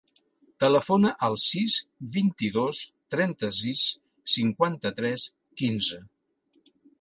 Telefona al sis, vint-i-dos, trenta-sis, cinquanta-tres, quinze.